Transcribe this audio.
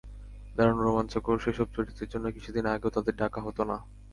দারুণ রোমাঞ্চকর সেসব চরিত্রের জন্য কিছুদিন আগেও তাঁদের ডাকা হতো না।